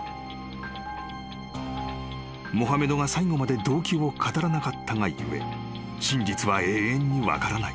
［モハメドが最後まで動機を語らなかったが故真実は永遠に分からない。